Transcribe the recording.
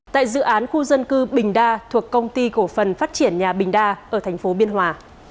tại dự án khu dân cư bình đa thuộc công ty cổ phần phát triển nhà bình đa ở thành phố biên hòa